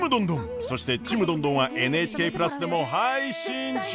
そして「ちむどんどん」は「ＮＨＫプラス」でも配信中！